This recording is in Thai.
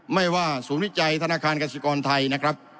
ไม่ว่าศูนย์วิจัยธนาคารกสิกรไทยนะครับ